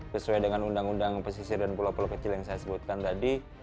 sesuai dengan undang undang pesisir dan pulau pulau kecil yang saya sebutkan tadi